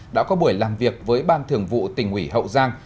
đã có buổi làm việc với ban thường vụ tỉnh ủy hậu giang